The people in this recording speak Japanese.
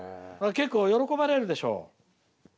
結構喜ばれるでしょう。